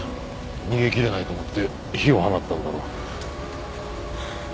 逃げきれないと思って火を放ったんだろう。